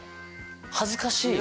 恥ずかしい？